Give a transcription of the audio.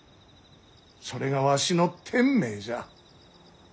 それがわしの天命じゃ。